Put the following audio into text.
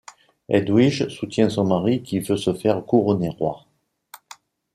Edwige soutient son mari qui veut se faire couronner roi.